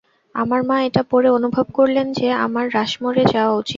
আমার মা এটা পড়ে অনুভব করলেন যে আমার রাশমোর এ যাওয়া উচিৎ।